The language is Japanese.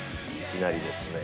いきなりですね